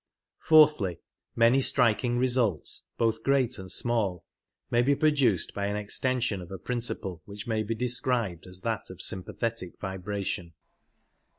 Fourthly, many striking results, both great and small, may ^v^ration'^ ^^ produced by an extension of a principle which may be described as that of sympathetic vibration.